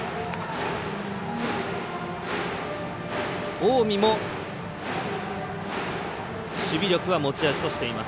近江も守備力は持ち味としています。